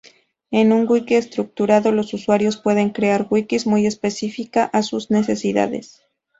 En un wiki estructurado, los usuarios pueden crear Wikis muy específica a sus necesidades.